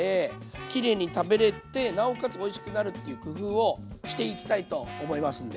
キレイに食べれてなおかつおいしくなるっていう工夫をしていきたいと思いますんで。